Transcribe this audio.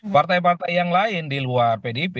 partai partai yang lain di luar pdip